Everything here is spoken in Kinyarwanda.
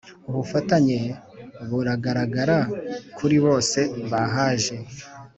ubufatanye buragaragara kuribose bahaje